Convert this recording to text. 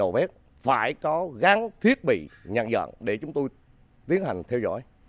các phương tiện phải có thiết bị nhận dọn để chúng tôi tiến hành theo dõi